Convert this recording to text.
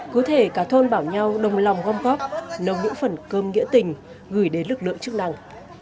cụ thể cả thôn bảo nhau đồng lòng gom góp nồng những phần cơm nghĩa tình gửi đến lực lượng chức năng